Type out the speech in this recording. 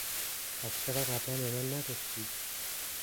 پس چرا قبلا به من نگفتی؟